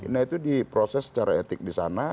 nah itu diproses secara etik di sana